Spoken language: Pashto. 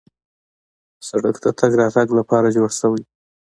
سړک د تګ راتګ لپاره جوړ شوی.